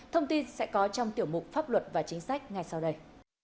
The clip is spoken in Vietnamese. thông tin sẽ có trong tiểu mục pháp luật và chính sách ngay sau đây